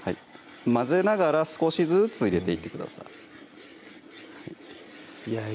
混ぜながら少しずつ入れていってくださいいや